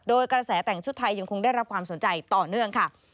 โดยกระแสแต่งชุดไทยยังคงได้รับความสนใจต่อเนื่องค่ะ